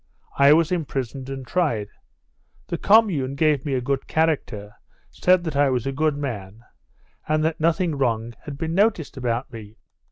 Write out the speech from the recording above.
I was imprisoned and tried. The commune gave me a good character, said that I was a good man, and that nothing wrong had been noticed about me.